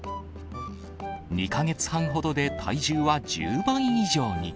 ２か月半ほどで体重は１０倍以上に。